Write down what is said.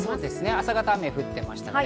朝方、雨降ってましたね。